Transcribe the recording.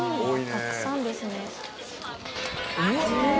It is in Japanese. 「たくさんですね」